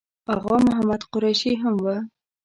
آغا محمد قریشي هم و.